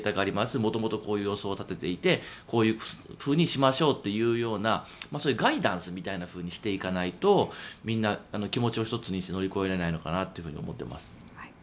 元々こういう予想を立てていてこういうふうにしましょうというようなガイダンスみたいなふうにしていかないとみんな気持ちを一つにして乗り越えられないのかなと思います。